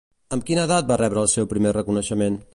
Amb quina edat va rebre el seu primer reconeixement?